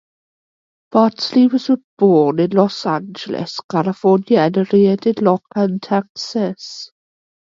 Bartlett was born in Los Angeles, California and reared in Lockhart, Texas.